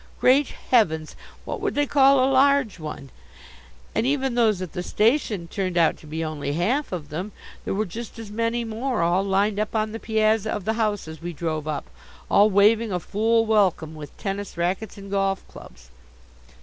Great heavens, what would they call a large one? And even those at the station turned out to be only half of them. There were just as many more all lined up on the piazza of the house as we drove up, all waving a fool welcome with tennis rackets and golf clubs.